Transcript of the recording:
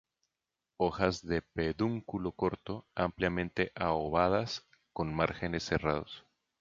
Hojas de pedúnculo corto, ampliamente aovadas, con márgenes serrados.